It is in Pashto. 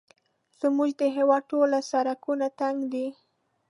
زموږ د هېواد ټوله سړکونه تنګ دي